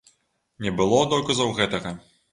Не было доказаў гэтага.